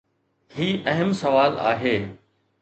هي اهم سوال آهي.